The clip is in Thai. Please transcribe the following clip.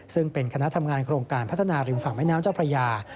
ซึ่งเป็นคณะทำงานโครงการพัฒนาริมฝั่งแม่น้ำเจ้าพระยา